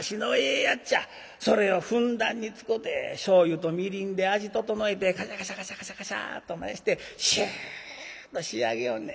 それをふんだんに使うてしょうゆとみりんで味調えてカシャカシャカシャカシャカシャと回してシュと仕上げよんねん。